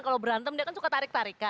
kalau berantem dia kan suka tarik tarikan